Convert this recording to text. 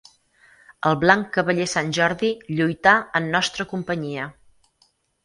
El blanc cavaller Sant Jordi lluità en nostra companyia.